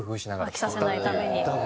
飽きさせないために。